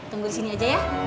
tunggu di sini aja ya